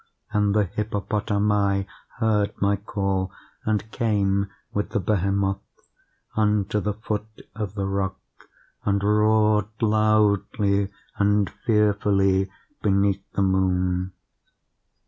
And the hippopotami heard my call, and came, with the behemoth, unto the foot of the rock, and roared loudly and fearfully beneath the moon.